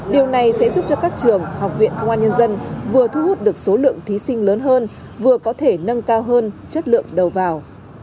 điều này sẽ giúp cho các trường học viện công an nhân dân vừa thu hút được số lượng thí sinh lớn hơn vừa có thể nâng cao hơn chất lượng đầu vào